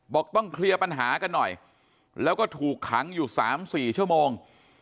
ต้องเคลียร์ปัญหากันหน่อยแล้วก็ถูกขังอยู่๓๔ชั่วโมง